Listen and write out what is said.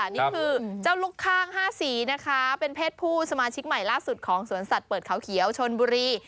นี่คือเจ้าลูกข้าง๕สีนะคะเป็นเพศผู้สมาชิกใหม่ล่าสุดของสวนสัตว์เปิดเขาเขียวชนบุรี